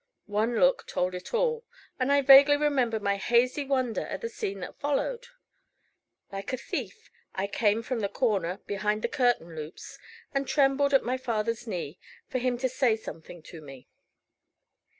One look told it all; and I vaguely remember my hazy wonder at the scene that followed. Like a thief, I came from the corner behind the curtain loops, and trembled at my father's knee, for him to say something to me.